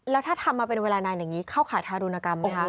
แล้วถ้าทำมาเป็นเวลานานอย่างนี้เข้าขายทารุณกรรมไหมคะ